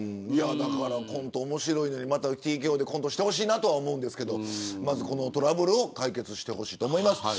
コントおもしろいのでまたＴＫＯでコントしてほしいと思うんですけどまず、このトラブルを解決してほしいと思います。